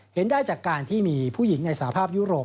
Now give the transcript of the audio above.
เห็นได้จากการที่มีผู้หญิงในสภาพยุโรป